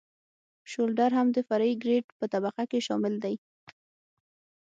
شولډر هم د فرعي ګریډ په طبقه کې شامل دی